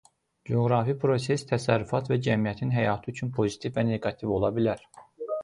Coğrafi proses təsərrüfat və cəmiyyətin həyatı üçün pozitiv və neqativ ola bilər.